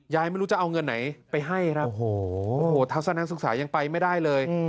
ไม่รู้จะเอาเงินไหนไปให้ครับโอ้โหทัศนศึกษายังไปไม่ได้เลย